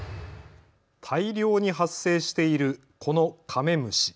大量に発生しているこのカメムシ。